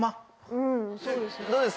うんそうです